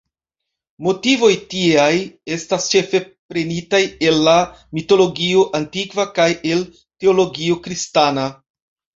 Motivoj tieaj estas ĉefe prenitaj el la mitologio antikva kaj el teologio kristana.